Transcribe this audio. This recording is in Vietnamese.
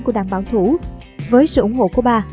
của đảng bảo thủ với sự ủng hộ của bà